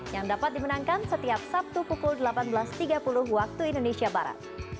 yang dapat dimenangkan setiap sabtu pukul delapan belas tiga puluh waktu indonesia barat